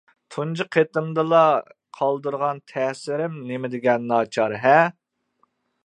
تۇنجى قېتىمدىلا قالدۇرغان تەسىرىم نېمىدېگەن ناچار ھە!